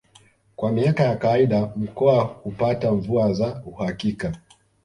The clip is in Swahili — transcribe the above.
Kwa miaka ya kawaida mkoa hupata mvua za uhakika